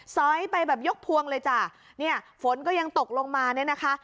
้อยไปแบบยกพวงเลยจ้ะเนี่ยฝนก็ยังตกลงมาเนี่ยนะคะ